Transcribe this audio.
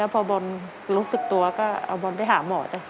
พอบอลลุกจากตัวก็เอาบอลไปหาหมอ